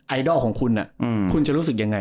ไอดอลของคุณคุณจะรู้สึกยังไง